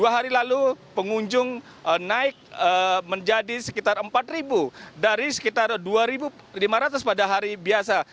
dua hari lalu pengunjung naik menjadi sekitar empat dari sekitar dua lima ratus pada hari biasa